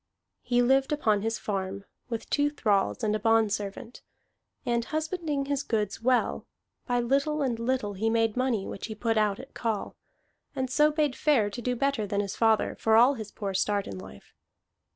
He lived upon his farm, with two thralls and a bondservant; and husbanding his goods well, by little and little he made money which he put out at call, and so bade fair to do better than his father, for all his poor start in life.